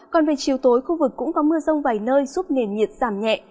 còn về chiều tối khu vực cũng có mưa rông vài nơi giúp nền nhiệt giảm nhẹ